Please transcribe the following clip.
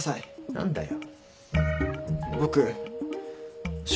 何だよ。